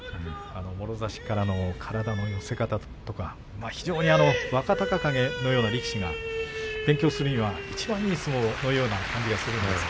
もろ差しからの体の寄せ方とか非常に若隆景のような力士が勉強するにはいちばんいい相撲のような感じがするんですが。